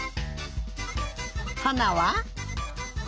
はなは？